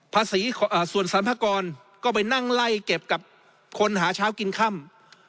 ส่วนสรรพากรก็ไปนั่งไล่เก็บกับคนหาเช้ากินค่ำ